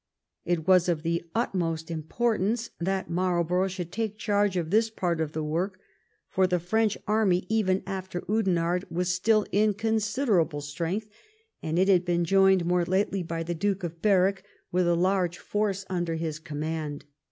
It was of the utmost im portance that Marlborough should take charge of this part of the work, for the French army, even after Oudenarde, was still in considerable strength, and it had been joined more lately by the Duke of Berwick ,with a large force under his command.